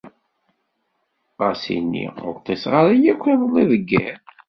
Ɣas ini ur ṭṭiseɣ ara yakk iḍelli deg iḍ.